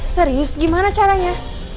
serius gimana caranya